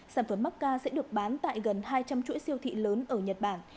sản phẩm macca sẽ được bán tại gần hai trăm linh chuỗi siêu thị lớn ở nhật bản